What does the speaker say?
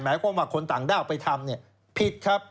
หมายความว่าคนต่างด้าวไปทำผิดครับ